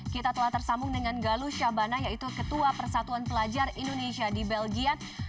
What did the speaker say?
kita telah tersambung dengan galus syabana yaitu ketua persatuan pelajar indonesia di belgia